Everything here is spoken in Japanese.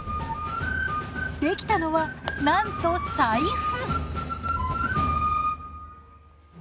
できたのはなんと財布！